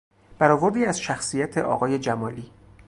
برآوردی از شخصیت آقای جمالی